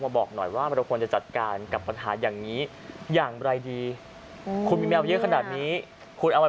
มาบอกหน่อยว่ามันต้องควรจะจัดการกับปัญหาอย่างงี้ยังไรดีคุณมีแมวแยกขนาดนี้คุณเอา